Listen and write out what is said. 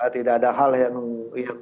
tidak ada hal yang